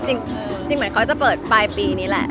จริงเหมือนเขาจะเปิดปลายปีนี้แหละ